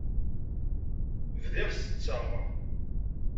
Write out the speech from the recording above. Bdiɣ setteɣ.